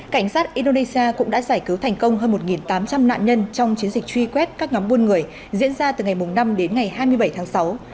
cảnh sát indonesia cũng đã giải cứu thành công hơn một tám trăm linh nạn nhân trong chiến dịch truy quét các nhóm buôn người diễn ra từ ngày năm đến ngày hai mươi bảy tháng sáu